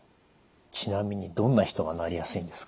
ちなみにどんな人がなりやすいんですか？